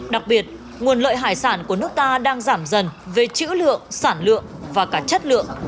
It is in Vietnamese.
đặc biệt nguồn lợi hải sản của nước ta đang giảm dần về chữ lượng sản lượng và cả chất lượng